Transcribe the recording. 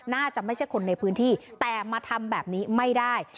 น่าจะไม่ใช่คนในพื้นที่แต่มาทำแบบนี้ไม่ได้